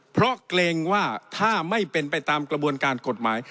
เพราะเกรงว่าถ้าไม่เป็นไปตามกระบวนการกฎหมาย